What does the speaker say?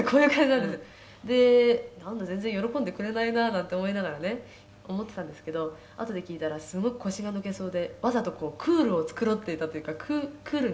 「なんだ全然喜んでくれないななんて思いながらね思ってたんですけどあとで聞いたらすごく腰が抜けそうでわざとこうクールを繕っていたというかクールにしていたというか」